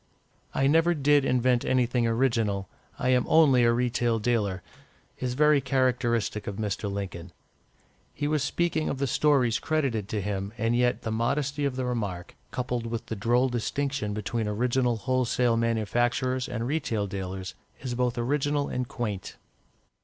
"I never did invent anything original I am only a retail dealer," is very characteristic of Mr. Lincoln. He was speaking of the stories credited to him, and yet the modesty of the remark, coupled with the droll distinction between original wholesale manufacturers and retail dealers, is both original and quaint.